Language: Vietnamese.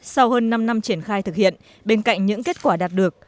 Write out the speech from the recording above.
sau hơn năm năm triển khai thực hiện bên cạnh những kết quả đạt được